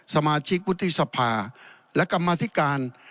สมาชิกวุฒิสภาและกรรมธิการ